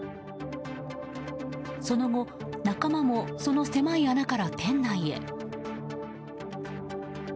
その後、仲間もその狭い穴から店内へ。